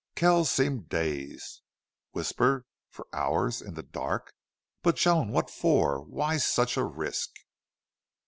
Kells seemed dazed. "Whisper! For hours! In the dark!... But, Joan, what for? Why such a risk?"